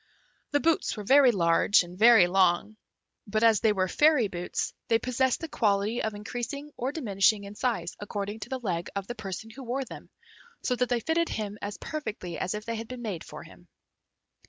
The boots were very large and very long; but as they were fairy boots, they possessed the quality of increasing or diminishing in size according to the leg of the person who wore them, so that they fitted him as perfectly as if they had been made for him.